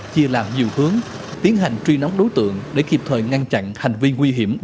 chia làm nhiều hướng tiến hành truy nóng đối tượng để kịp thời ngăn chặn hành vi nguy hiểm